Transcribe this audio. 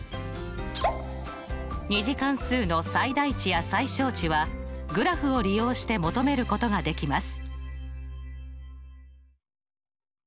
２次関数の最大値や最小値はグラフを利用して求めることができます。